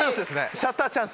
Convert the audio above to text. シャッターチャンス！